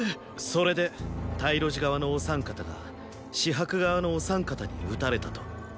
それで太呂慈側のお三方が紫伯側のお三方に討たれたと。